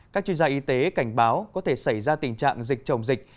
các chuyên gia y tế cảnh báo có thể xảy ra tình trạng dịch chồng dịch